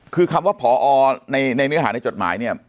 คือคำว่าพอในเนื้อหาในจดหมายเนี่ย